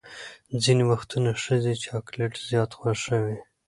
ځینې وختونه ښځې چاکلیټ زیات خوښوي.